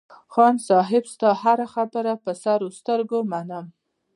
خان صاحب ستا هره خبره په سر سترگو منم.